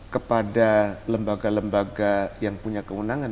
kepada lembaga lembaga yang punya kewenangan